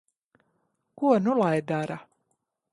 Ko nu lai dara?